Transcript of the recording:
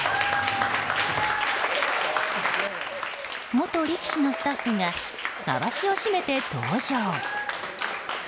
元力士のスタッフがまわしを締めて登場。